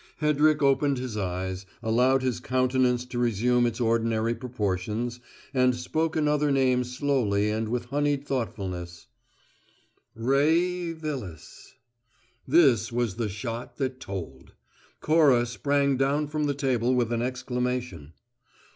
Hedrick opened his eyes, allowed his countenance to resume its ordinary proportions, and spoke another name slowly and with honeyed thoughtfulness: "Ray Vilas." This was the shot that told. Cora sprang down from the table with an exclamation.